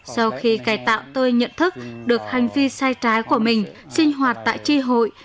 sau khi cài tạo tôi nhận thức được hành vi sai trái của mình sinh hoạt tại tri hội